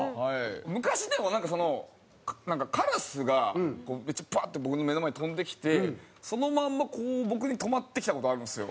昔でもなんかそのカラスがめっちゃブワーッて僕の目の前に飛んできてそのまんまこう僕に止まってきた事あるんですよ。